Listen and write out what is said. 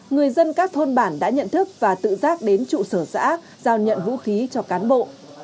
người dân các thôn bản đã nhận thức và tự giác đến trụ sở xã giao nhận vũ khí cho cán bộ